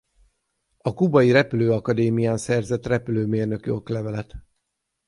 A kubai Repülő Akadémián szerzett repülőmérnöki oklevelet.